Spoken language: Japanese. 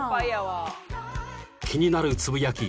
［気になるつぶやき